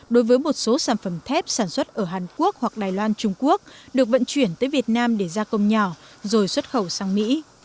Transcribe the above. đối với một số sản phẩm thép sản xuất ở hàn quốc hoặc đài loan trung quốc được vận chuyển tới việt nam để gia công nhỏ rồi xuất khẩu sang mỹ